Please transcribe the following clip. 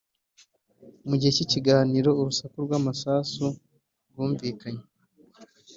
Mu gihe cy’ikiganiro urusaku rw’amasasu rwumvikanye